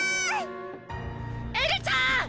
エルちゃん！